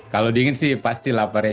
kalau dingin sih pasti lapar ya